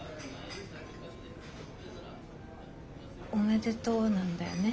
「おめでとう」なんだよね？